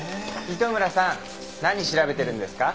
糸村さん何調べてるんですか？